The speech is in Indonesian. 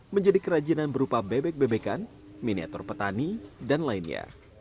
menjadi kerajinan berupa bebek bebekan miniatur petani dan lainnya